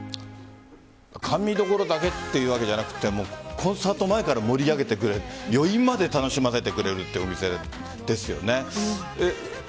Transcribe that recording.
甘味処だけっていうわけじゃなくてコンサート前から盛り上げてくれる余韻まで楽しませてくれるっていうお店ですよね。